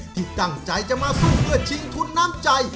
ที่ตั้งใจจะมาสู้เพื่อชิงทุนน้ำใจ